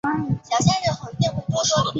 真核基因组通常大于原核生物。